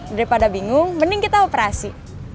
daripada bingung mending kita operasi